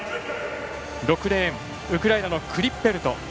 ６レーン、ウクライナのクリッペルト。